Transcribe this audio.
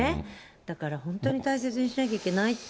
だから本当に大切にしなきゃいけないって。